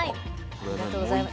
ありがとうございます。